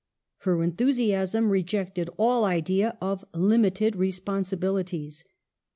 Her enthusiasm rejected all idea of limited responsibilities.